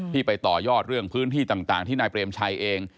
ไปต่อยอดเรื่องพื้นที่ต่างที่นายเปรมชัยเอง